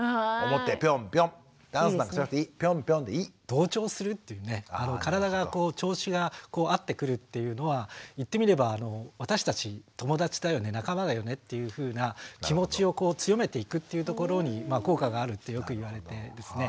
同調するっていうね体がこう調子が合ってくるっていうのは言ってみれば私たち友達だよね仲間だよねっていうふうな気持ちを強めていくっていうところに効果があるってよく言われてですね。